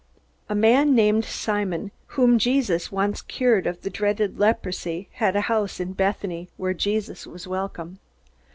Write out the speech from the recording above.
A man named Simon, whom Jesus once cured of the dreaded leprosy, had a house in Bethany where Jesus was welcome.